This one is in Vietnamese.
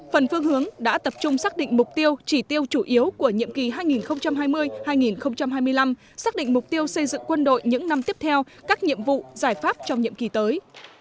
phần phương hướng đã tập trung xác định mục tiêu chỉ tiêu chủ yếu của nhiệm kỳ hai nghìn hai mươi hai nghìn hai mươi năm xác định mục tiêu xây dựng quân đội những năm tiếp theo các nhiệm vụ giải pháp trong nhiệm kỳ tới